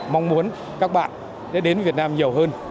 mong muốn các bạn đến việt nam nhiều hơn